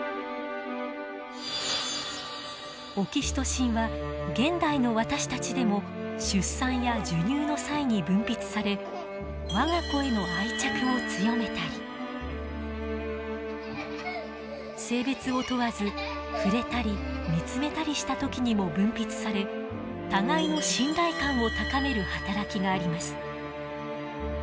オキシトシンは現代の私たちでも出産や授乳の際に分泌され我が子への愛着を強めたり性別を問わず触れたり見つめたりした時にも分泌され互いの信頼感を高める働きがあります。